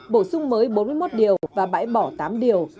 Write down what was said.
bổ sung mới bốn mươi một điều và bãi bỏ tám điều